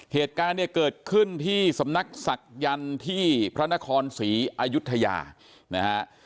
เหตุการณ์เกิดขึ้นที่สำนักศักดิ์ยันทร์ที่พระนครศรีอายุทยานะครับ